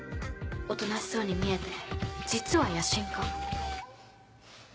おとなしそうに見えて実は野心家。